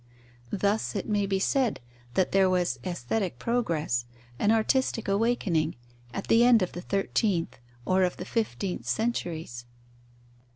Thus it may be said that there was aesthetic progress, an artistic awakening, at the end of the thirteenth or of the fifteenth centuries.